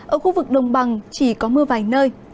ở khu vực đồng bằng chỉ có mưa vài nơi